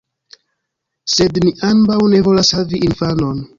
Sed ni ambaŭ ne volas havi infanon.